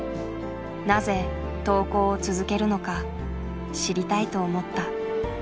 なぜ投稿を続けるのか知りたいと思った。